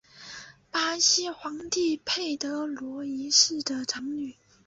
巴西皇帝佩德罗一世的长女。